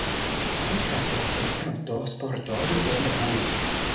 Estas spektanto-sportoj en Hull.